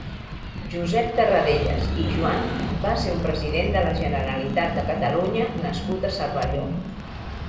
Josep Tarradellas i Joan va ser un president de la Generalitat de Catalunya nascut a Cervelló.